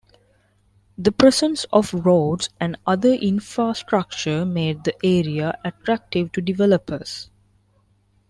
The presence of roads and other infrastructure made the area attractive to developers.